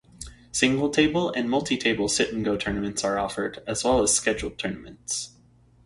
Single-table and multi-table sit n' go tournaments are offered as well as scheduled tournaments.